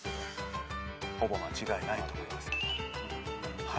ほぼ間違えないと思いますけど。